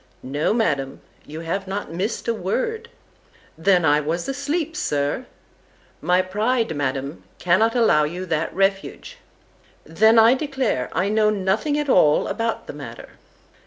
—No, Madam, you have not miss'd a word.—Then I was asleep, Sir.—My pride, Madam, cannot allow you that refuge.—Then, I declare, I know nothing at all about the matter.